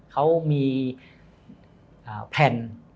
เขามีแวง